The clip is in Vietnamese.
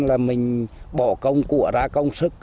là mình bỏ công cụa ra công sức